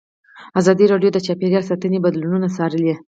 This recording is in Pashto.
ازادي راډیو د چاپیریال ساتنه بدلونونه څارلي.